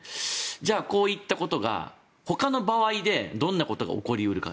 じゃあ、こういったことがほかの場合でどんなことが起こり得るか。